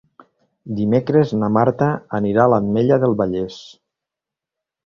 Dimecres na Marta anirà a l'Ametlla del Vallès.